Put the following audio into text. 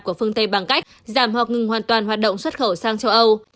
của phương tây bằng cách giảm hoặc ngừng hoàn toàn hoạt động xuất khẩu sang châu âu